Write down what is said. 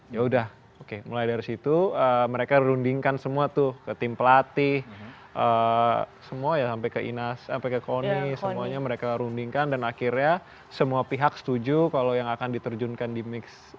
ya udah oke mulai dari situ mereka rundingkan semua tuh ke tim pelatih semua ya sampai ke inas sampai ke koni semuanya mereka rundingkan dan akhirnya semua pihak setuju kalau yang akan diterjunkan di mix